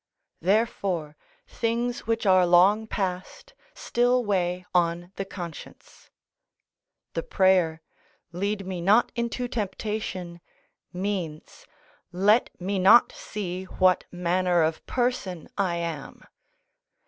Therefore things which are long past still weigh on the conscience. The prayer, "Lead me not into temptation," means, "Let me not see what manner of person I am."